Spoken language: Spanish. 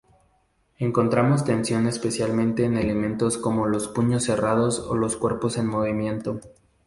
Encontramos tensión especialmente en elementos como los puños cerrados o los cuerpos en movimiento.